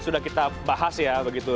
sudah kita bahas ya begitu